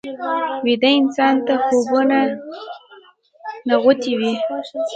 ویده انسان ته خوبونه نغوتې وي